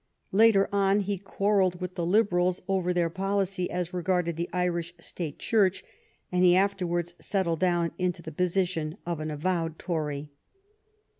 Later on he quar relled with the Liberals over their policy as regarded the Irish State Church, and he afterwards settled down into the position of an avowed Tory.